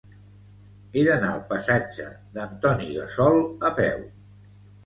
He d'anar al passatge d'Antoni Gassol a peu.